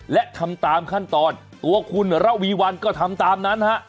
และทำตามขั้นตอนตัวคุณระวีวันก็ทำตามนั้นฮะ